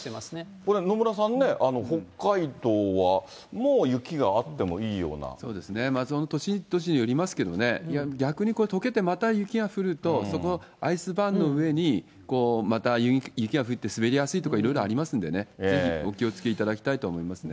これ、野村さんね、北海道は、そうですね、その年、年によりますけどね、逆にこれ、とけてまた雪が降ると、そこがアイスバーンの上にまた雪が降って滑りやすいとか、いろいろありますんでね、ぜひお気をつけいただきたいと思いますね。